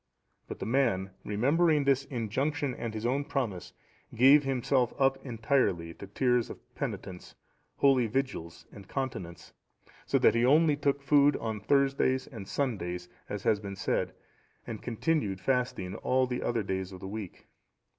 But the man remembering this injunction and his own promise, gave himself up entirely to tears of penitence, holy vigils and continence; so that he only took food on Thursdays and Sundays, as has been said; and continued fasting all the other days of the week.